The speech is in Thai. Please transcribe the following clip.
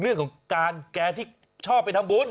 เรื่องของการแกที่ชอบไปทำบุญ